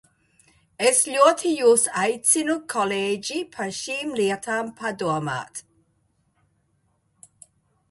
Es ļoti jūs aicinu, kolēģi, par šīm lietām padomāt!